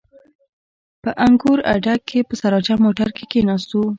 په انګور اډه کښې په سراچه موټر کښې کښېناستو.